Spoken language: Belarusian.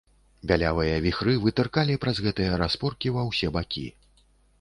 Бялявыя віхры вытыркалі праз гэтыя распоркі ва ўсе бакі.